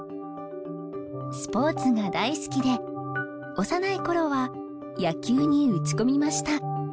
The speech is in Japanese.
スポーツが大好きで幼い頃は野球に打ち込みました。